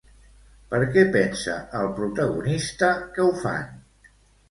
Per què pensa el protagonista que ho fan?